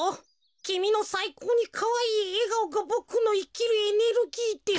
きみのさいこうにかわいいえがおがボクのいきるエネルギーです」。